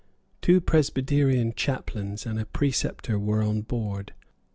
Two Presbyterian chaplains and a preceptor were on board.